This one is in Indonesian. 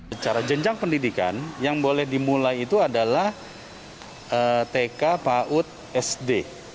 secara jenjang pendidikan yang boleh dimulai itu adalah tk paud sd